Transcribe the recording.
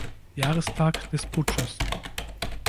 Jahrestag des Putsches.